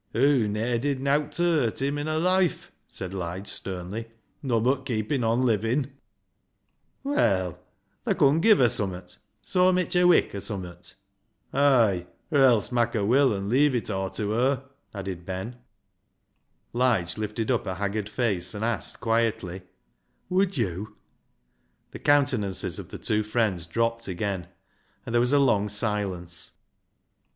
Hog ne'er did nowt ta hurt him in her loife," said Lige sternly, " nobbut keepin' on livin'." " Well, thaa con give her summat — soa mitch a vvik, or summat." " Ay, or else mak' a will an' Iceave it aw tew her," added Ben. Lige lifted up a haggard face and asked quietly — "WodV?" The countenances of the two friends dropped again, and there was a long silence.